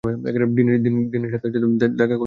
ডিনের সাথে দেখা করতে যাচ্ছিলাম।